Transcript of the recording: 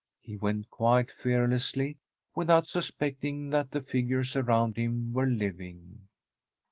He went quite fearlessly, with out suspecting that the figures around him were living.